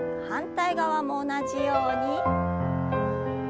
反対側も同じように。